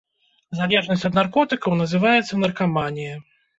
Залежнасць ад наркотыкаў называецца наркаманія.